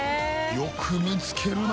よく見つけるな。